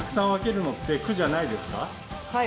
はい。